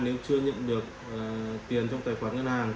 nếu chưa nhận được tiền trong tài khoản ngân hàng